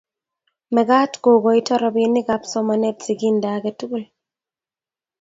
Mekat kokoito robinikab somanet siginde age tugul